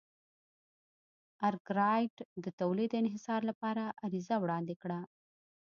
ارکرایټ د تولید انحصار لپاره عریضه وړاندې کړه.